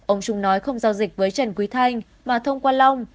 ông trung nói không giao dịch với trần quý thanh mà thông qua long